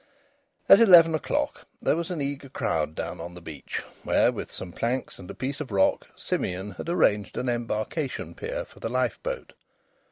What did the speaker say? At eleven o'clock there was an eager crowd down on the beach where, with some planks and a piece of rock, Simeon had arranged an embarkation pier for the lifeboat.